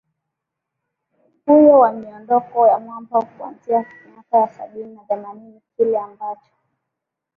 huyo wa miondoko ya mwamba kuanzia miaka ya sabini na themanini Kile ambacho